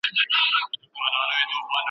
دا لیکنه د خلکو د تشویش د کمولو لپاره وه.